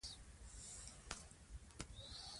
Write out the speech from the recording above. دښمن ته به ماته ورغلې وي.